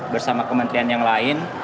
bersama kementerian yang lain